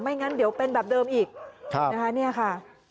ไม่งั้นเดี๋ยวเป็นแบบเดิมอีกนะคะ